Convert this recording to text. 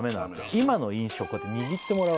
今の印象をこうやって握ってもらう。